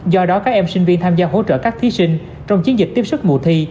do đó các em sinh viên tham gia hỗ trợ các thí sinh trong chiến dịch tiếp sức mùa thi